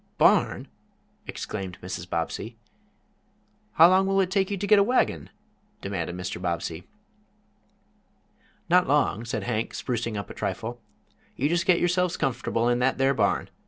"Barn!" exclaimed Mrs. Bobbsey. "How long will it take you to get a wagon?" demanded Mr. Bobbsey. "Not long," said Hank, sprucing up a trifle. "You just get yourselves comfortable in that there barn.